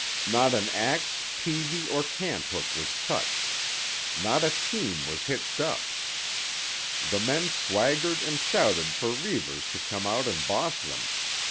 Not an axe, peavey or cant hook was touched; not a team was hitched up. The men swaggered and shouted for Reivers to come out and boss them.